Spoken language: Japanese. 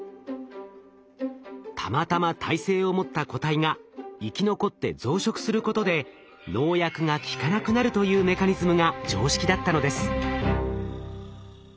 たまたま耐性を持った個体が生き残って増殖することで農薬が効かなくなるというメカニズムが常識だったのです。